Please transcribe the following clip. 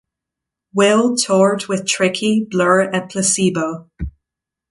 Whale toured with Tricky, Blur and Placebo.